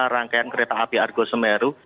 rangkaian kereta api argo semeru